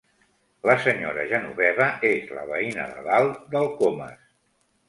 La senyora Genoveva és la veïna de dalt del Comas.